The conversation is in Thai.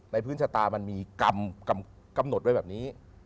พื้นชะตามันมีกำหนดไว้แบบนี้